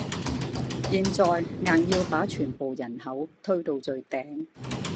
現在硬要把全部人口推到最頂